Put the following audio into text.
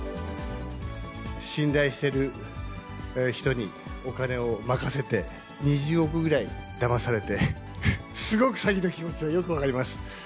信頼している人にお金を任せて２０億ぐらいだまされて、すごく詐欺の気持ちはよく分かります。